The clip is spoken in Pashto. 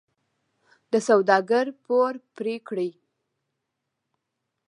د سوداګر پور پرې کړي.